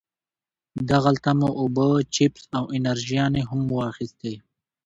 دغلته مو اوبه، چپس او انرژيانې هم واخيستې.